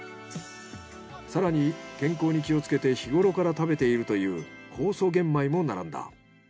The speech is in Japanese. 更に健康に気をつけて日頃から食べているという酵素玄米も並んだ。